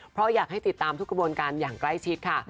เพราะอยากให้ติดตามทุกกระบวนการอย่างใกล้ชิดค่ะ